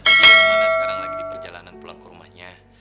bagaimana sekarang lagi di perjalanan pulang ke rumahnya